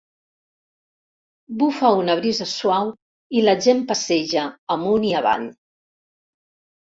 Bufa una brisa suau i la gent passeja amunt i avall.